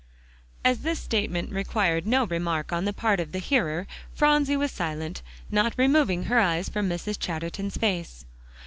As this statement required no remark on the part of the hearer, Phronsie was silent, not removing her eyes from Mrs. Chatterton's face.